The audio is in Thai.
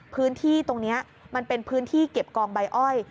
พื้นที่ตรงนี้มันเป็นพื้นที่เก็บกองใบอ้อย